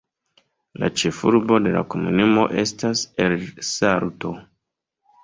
La ĉefurbo de la komunumo estas El Salto.